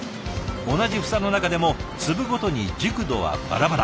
同じ房の中でも粒ごとに熟度はバラバラ。